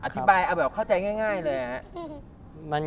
อธิบายเข้าใจง่ายเลยนะ